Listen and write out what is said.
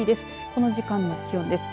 この時間の気温です。